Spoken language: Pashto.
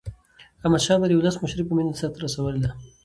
احمدشاه بابا د ولس مشري په مینه سرته رسولې ده.